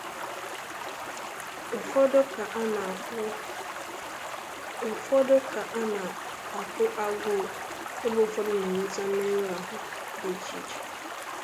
Ụfọdụ ka a na-akwu agụụ ebe ụfọdụ na-enweta mmeru ahụ dị iche iche.